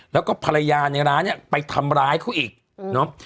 แล้วก็ภรรยาในร้านเนี่ยไปทำร้ายเขาอีกเนาะ